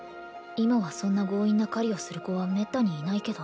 今はそんな強引な狩りをする子はめったにいないけど